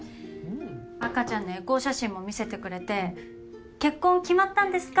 赤ちゃんのエコー写真も見せてくれて結婚決まったんですか？